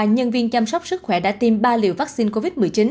nhân viên chăm sóc sức khỏe đã tiêm ba liều vaccine covid một mươi chín